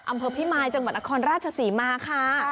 อำเภอพิมายจังหวัดนครราชศรีมาค่ะ